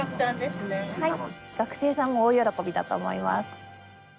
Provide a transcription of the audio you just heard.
学生さんも大喜びだと思います。